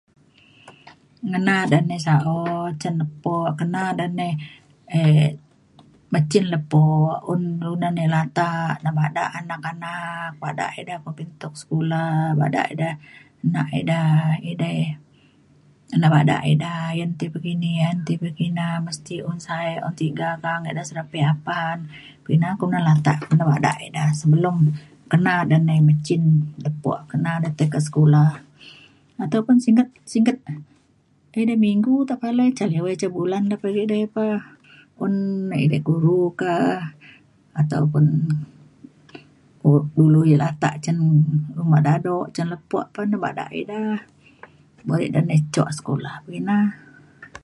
ngena da nai sa'o cin lepo kena da nai e me cin lepo un lunan ia' latak da bada anak anak bada ida kumbin tuk sekula bada ida nak ida edei ngena bada ida ayen ti pekini ayen ti pekina mesti un sa'e un tiga ka'ang ida se apan. pa ina kelunan latak ida bada ida sebelum kena da nai me cin lepo kena da tai ka sekula ataupun singget singget ina minggu tepalai ca liwai ca bulan da pa edei pa un na ida guru ka ataupun ulu ia' latak cin uma dado cin lepo pa bada ida [unintelligible] nai cuk sekula pekina